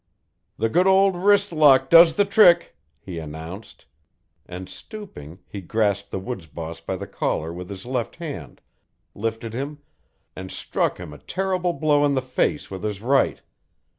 "The good old wrist lock does the trick," he announced; and stooping, he grasped the woods boss by the collar with his left hand, lifted him, and struck him a terrible blow in the face with his right.